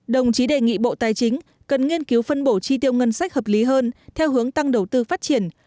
đồng chí đề nghị bộ tài chính cần nghiên cứu phân bổ chi tiêu ngân sách hợp lý hơn theo hướng tăng đầu tư phát triển